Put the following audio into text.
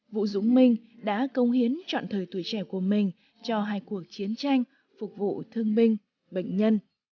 vũ dũng minh đã công hiến chọn thời tuổi trẻ của mình cho hai cuộc chiến tranh phục vụ thương binh bệnh nhân